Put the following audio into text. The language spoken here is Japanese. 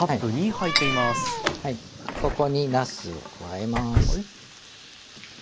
ここになすを加えます。